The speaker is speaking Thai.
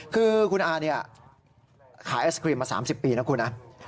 คือคุณอาเนี่ยขายไอศครีมมา๓๐ปีนะคุณนะ